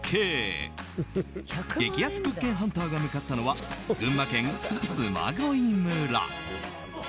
激安物件ハンターが向かったのは群馬県嬬恋村。